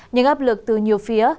những áp lực từ nhiều phía